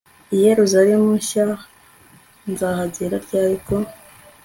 i yeruzalemu nshya nzahagera ryari, ku